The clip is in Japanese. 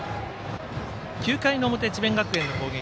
９回の表、智弁学園の攻撃。